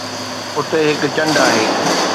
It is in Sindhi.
اتي هڪ چنڊ آهي